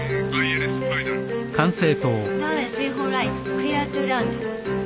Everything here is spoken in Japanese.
クリアードトゥランド。